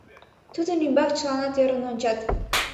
Тудын ӱмбак чыланат ӧрын ончат.